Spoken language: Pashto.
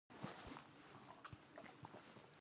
د افغانستان د اقتصادي پرمختګ لپاره پکار ده چې بدیل کښت وي.